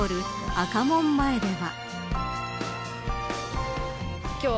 赤門前では。